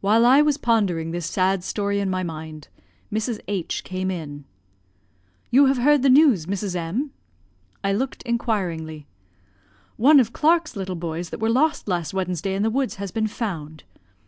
While I was pondering this sad story in my mind, Mrs. H came in. "You have heard the news, Mrs. M ?" I looked inquiringly. "One of Clark's little boys that were lost last Wednesday in the woods has been found."